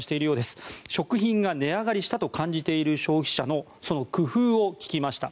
食品が値上げしたと感じている消費者のその工夫を聞きました。